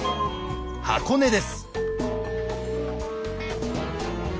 箱根です。